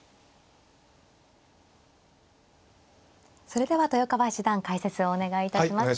それでは豊川七段解説をお願いいたします。